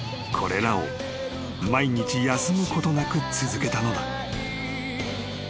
［これらを毎日休むことなく続けたのだ］